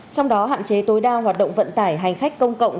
trong đó hạn chế tối đa hoạt động vận tải hành khách công cộng